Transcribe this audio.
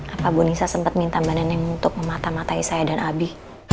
apa bu nisa sempat minta mbak neneng untuk memata matai saya dan abi